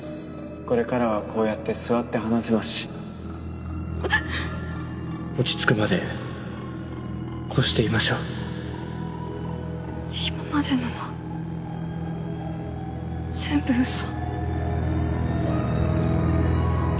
これからはこうやって座って話せますし落ち着くまでこうしていましょう今までのは全部ウソ？